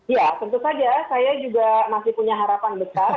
ya tentu saja saya juga masih punya harapan besar